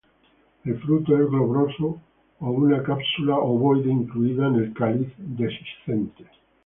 El fruto es globoso o una cápsula ovoide incluida en el cáliz, dehiscente.